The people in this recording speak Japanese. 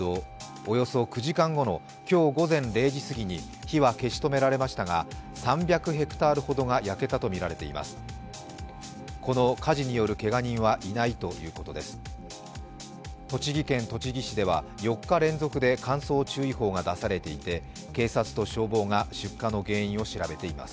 およそ９時間後の今日午前０時すぎに火は消し止められましたが３００ヘクタールほどが焼けたとみられています。